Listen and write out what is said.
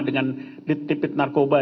dengan tipit narkoba